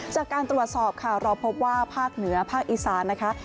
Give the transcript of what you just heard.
จากการตรวจสอบค่ะเราพบว่าภาคเหนือภาคอีสานนะคะ